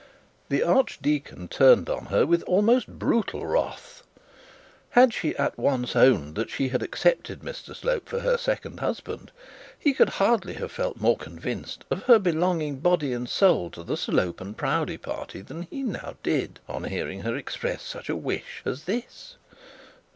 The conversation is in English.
The archdeacon turned on her with almost brutal wrath. Had she at once owned that she had accepted Mr Slope for her second husband, he could hardly have felt more convinced of her belonging body and soul to the Slope and Proudie party than he now did on hearing her express such a wish as this.